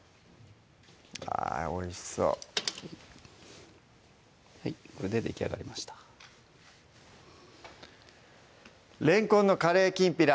あぁおいしそうはいこれでできあがりました「れんこんのカレーきんぴら」